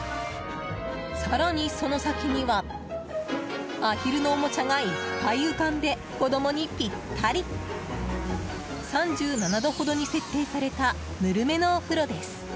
更に、その先にはアヒルのおもちゃがいっぱい浮かんで子供にぴったり３７度ほどに設定されたぬるめのお風呂です。